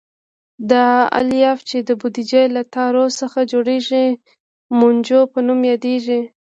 دا الیاف چې د بوجۍ له تارو څخه جوړېږي مونجو په نوم یادیږي.